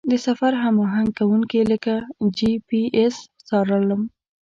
د سفر هماهنګ کوونکي لکه جي پي اس څارلم.